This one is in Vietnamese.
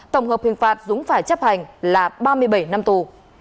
tổng hợp hình phạt dũng phải chấp hành là ba mươi bảy năm tù